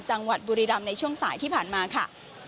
จังหวัดบุรีรำในช่วงสายที่ผ่านมาค่ะ